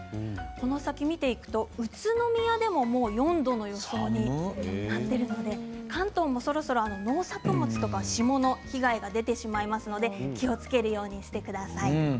この先見ていくと宇都宮でも４度の予想になっているので関東もそろそろ農作物とか霜の被害が出てしまいますので気をつけるようにしてください。